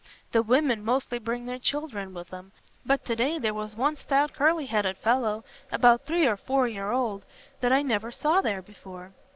The women mostly bring their children with 'em, but to day there was one stout curly headed fellow about three or four year old, that I never saw there before.